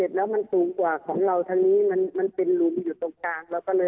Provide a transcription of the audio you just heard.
อนนกมันสูงกว่าของเราทางนี้มันเป็นลุงอยู่ตรงกลาง